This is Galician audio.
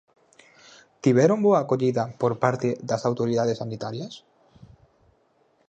Tiveron boa acollida por parte das autoridades sanitarias?